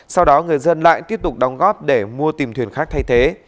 sau đó người dân lại tiếp tục đóng góp để mua tìm thuyền khác thay thế